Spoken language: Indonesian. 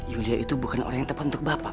yuda itu bukan orang yang tepat untuk bapak